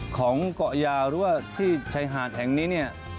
ของเกาะยาวหรือว่าที่ชายหาดแห่งนี้เนี่ย